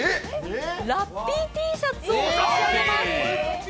ラッピーＴシャツを差し上げます！